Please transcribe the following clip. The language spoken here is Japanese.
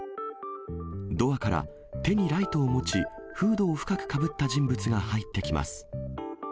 ドアから手にライトを持ち、フードを深くかぶった人物が入ってきます。